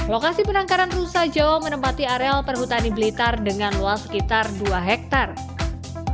lokasi penangkaran rusa jawa menempati areal perhutani blitar dengan luas sekitar dua hektare